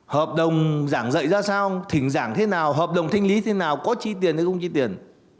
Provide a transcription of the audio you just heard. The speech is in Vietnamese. hợp đồng giảng dạy ra sao thỉnh giảng thế nào hợp đồng thanh lý thế nào có chi tiền hay không chi tiền